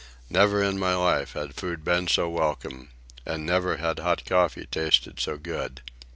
Never in my life had food been so welcome. And never had hot coffee tasted so good.